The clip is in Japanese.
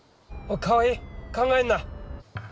川合考えんな！